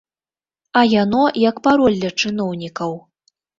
А яно як пароль для чыноўнікаў.